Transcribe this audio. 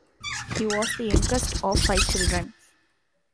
He was the youngest of five children.